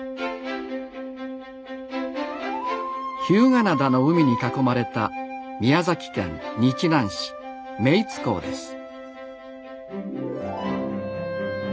日向灘の海に囲まれた宮崎県日南市目井津港です。